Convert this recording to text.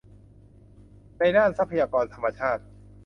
ในด้านทรัพยากรธรรมชาติ